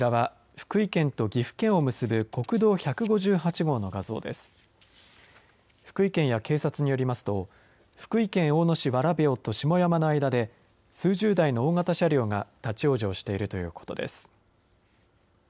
福井県や警察によりますと福井県大野市蕨生と下山の間で数十台の大型車両が立往生しているということです。